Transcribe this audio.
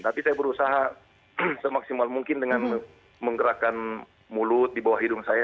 tapi saya berusaha semaksimal mungkin dengan menggerakkan mulut di bawah hidung saya